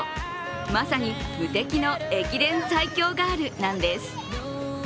まさに無敵の駅伝最強ガールなんです。